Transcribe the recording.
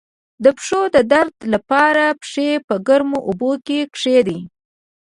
د پښو د درد لپاره پښې په ګرمو اوبو کې کیږدئ